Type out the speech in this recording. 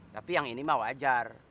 tapi yang ini mah wajar